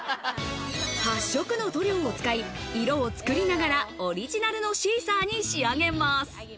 ８色の塗料を使い、色を作りながらオリジナルのシーサーに仕上げます。